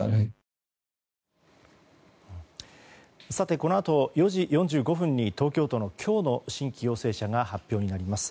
このあと、４時４５分に東京都の今日の新規陽性者が発表になります。